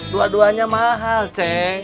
dua duanya mahal cek